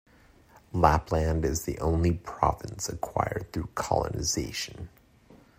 Lapland is the only province acquired through colonization.